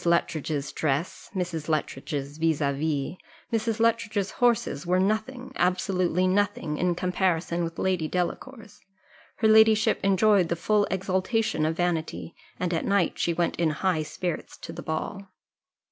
Luttridge's dress, Mrs. Luttridge's vis à vis, Mrs. Luttridge's horses were nothing, absolutely nothing, in comparison with Lady Delacour's: her ladyship enjoyed the full exultation of vanity; and at night she went in high spirits to the ball.